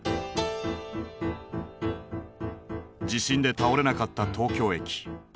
地震で倒れなかった東京駅。